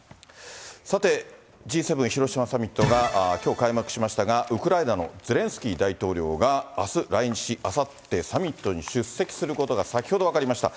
さて、Ｇ７広島サミットがきょう開幕しましたが、ウクライナのゼレンスキー大統領があす来日し、あさってサミットに出席することが先ほど分かりました。